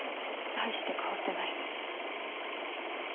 大して変わってないんで。